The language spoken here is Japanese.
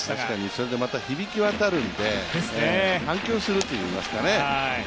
それでまた、響きわたるので、反響するといいますかね。